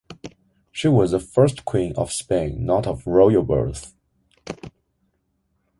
She was the first queen of Spain not of royal birth.